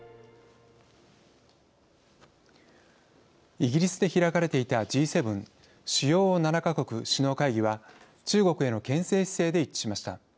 イギリスで開かれていたＧ７＝主要７か国首脳会議は中国へのけん制姿勢で一致しました。